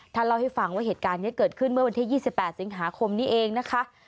เล่าให้ฟังว่าเหตุการณ์นี้เกิดขึ้นเมื่อวันที่๒๘สิงหาคมนี้เองนะคะ